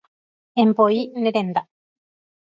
Emboí ne renda.